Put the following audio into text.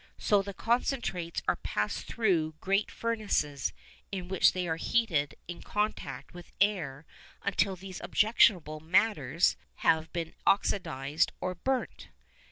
So the concentrates are passed through great furnaces, in which they are heated in contact with air until these objectionable matters have been oxidised or burnt.